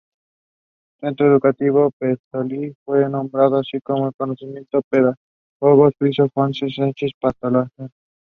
A dance named after them is still performed today.